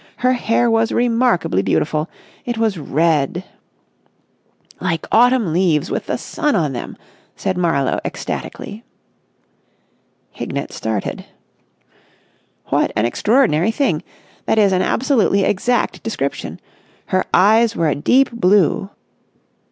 Her hair was remarkably beautiful. It was red...." "Like autumn leaves with the sun on them!" said Marlowe ecstatically. Hignett started. "What an extraordinary thing! That is an absolutely exact description. Her eyes were a deep blue...."